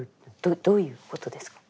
どういうことですか？